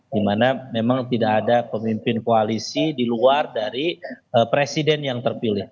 dimana memang tidak ada pemimpin koalisi di luar dari presiden yang terpilih